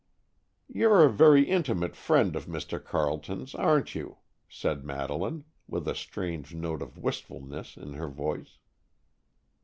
"You're a very intimate friend of Mr. Carleton's, aren't you?" said Madeleine, with a strange note of wistfulness in her voice.